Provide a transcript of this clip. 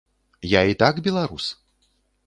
Я і так беларус.